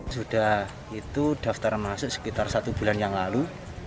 sudah itu daftar masuk sekitar satu bulan yang lalu